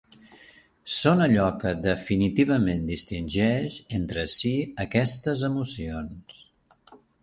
Són allò que definitivament distingeix entre si aquestes emocions.